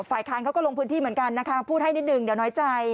ฝ่ายค้านเขาก็ลงพื้นที่เหมือนกันนะคะพูดให้นิดหนึ่งเดี๋ยวน้อยใจ